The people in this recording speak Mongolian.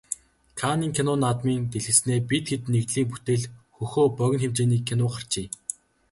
Каннын кино наадмын дэлгэцнээ "Бид хэд" нэгдлийн бүтээл "Хөхөө" богино хэмжээний кино гарчээ.